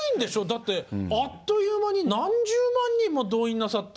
だってあっという間に何十万人も動員なさって。